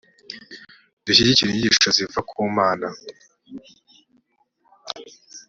dushyigikire inyigisho ziva ku mana